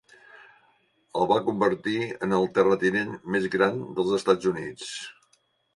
El va convertir en el terratinent més gran dels Estats Units.